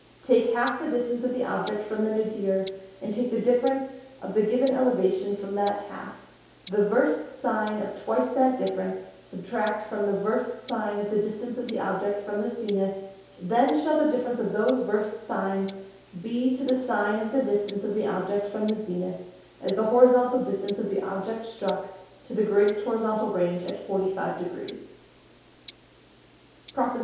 _ Take half the Distance of the Object from the Nadir, and take the Difference of the given Elevation from that half; the Versed Sine of twice that Difference subtract from the Versed Sine of the Distance of the Object from the Zenith: Then shall the Difference of those Versed Sines be to the Sine of the Distance of the Object from the Zenith, as the Horizontal Distance of the Object strook, to the greatest Horizontal Range at 45°. _PROP. II.